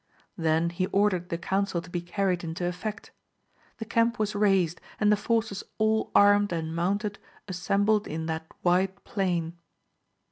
Then he ordered the counsel to be carried into effect. The camp was raised, and the forces all armed and mounted assembled in that wide plain.